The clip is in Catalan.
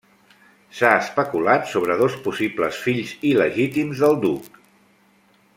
S'ha especulat sobre dos possibles fills il·legítims del duc.